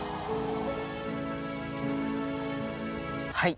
はい！